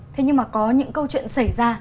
thế nhưng mà có những câu chuyện xảy ra